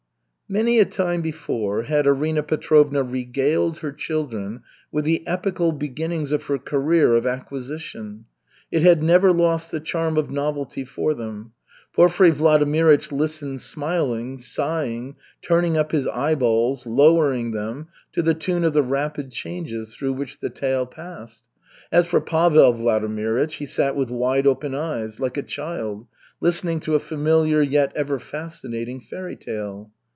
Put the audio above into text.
Many a time before had Arina Petrovna regaled her children with the epical beginnings of her career of acquisition. It had never lost the charm of novelty for them. Porfiry Vladimirych listened smiling, sighing, turning up his eye balls, lowering them, to the tune of the rapid changes through which the tale passed. As for Pavel Vladimirych, he sat with wide open eyes, like a child, listening to a familiar, yet ever fascinating fairy tale.